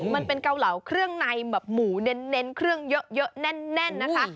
เกาเหลาเครื่องในแบบหมูเน้นเครื่องเยอะแน่นนะคะ